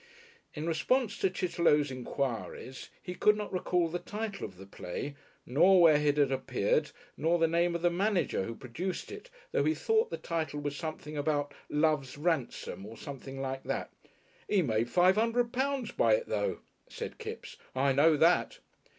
In response to Chitterlow's enquiries he could not recall the title of the play, nor where it had appeared nor the name of the manager who produced it, though he thought the title was something about "Love's Ransom" or something like that. "He made five 'undred pounds by it, though," said Kipps. "I know that."